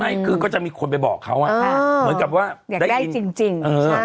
รถใหม่คือก็จะมีคนไปบอกเขาอะเหมือนกับว่าได้อินอยากได้จริง